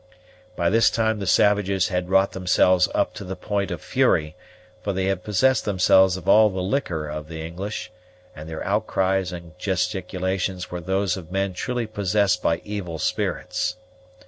By this time the savages had wrought themselves up to the point of fury, for they had possessed themselves of all the liquor of the English; and their outcries and gesticulations were those of men truly possessed by evil spirits.